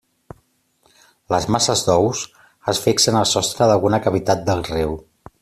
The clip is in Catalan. Les masses d'ous es fixen al sostre d'alguna cavitat del riu.